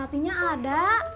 wah tetinya ada